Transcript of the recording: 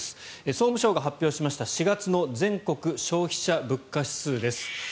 総務省が発表しました４月の全国消費者物価指数です。